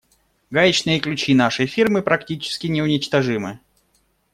Гаечные ключи нашей фирмы практически неуничтожимы.